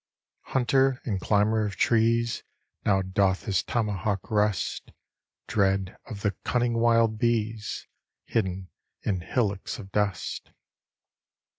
Hunter and climber of trees, Now doth his tomahawk rust, (Dread of the cunning wild bees), Hidden in hillocks of dust.